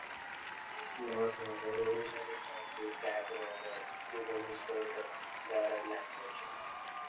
Lurnea was originally home to the Cabrogal people who spoke the Darug language.